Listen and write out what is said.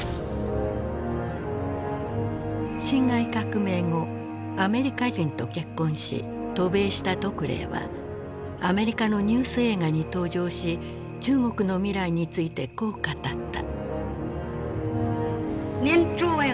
辛亥革命後アメリカ人と結婚し渡米した徳齢はアメリカのニュース映画に登場し中国の未来についてこう語った。